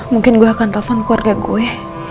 mungkin gue akan telpon keluarga gue